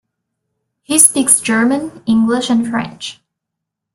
He speaks German, English, and French.